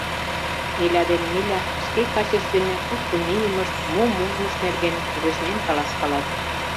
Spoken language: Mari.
Эля ден Миля шке качышт дене кушко мийымышт, мом ужмышт нерген кугешнен каласкалат.